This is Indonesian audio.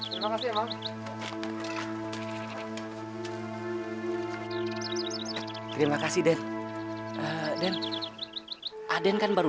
eh untuk kacau